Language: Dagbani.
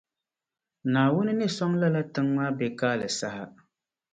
Naawuni ni sɔŋ lala·tiŋ’ ·maa biɛkaali saha.